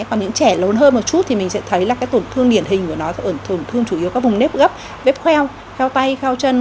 còn những trẻ lớn hơn một chút thì mình sẽ thấy tổn thương điển hình của nó ở tổn thương chủ yếu có vùng nếp gấp vếp kheo kheo tay kheo chân